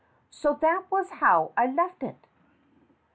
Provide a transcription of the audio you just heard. So that was how I left it."